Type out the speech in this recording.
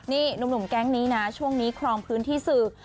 นี่หนุ่มแก๊งนี้นะช่วงนี้ครองพื้นที่สื่อ